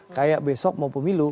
kayak besok mau pemilu